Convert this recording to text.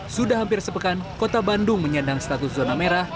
sudah hampir sepekan kota bandung menyandang status zona merah